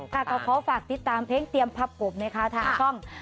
ก็ขอฝากติดตามเพลงเตรียมพบกบในค้าง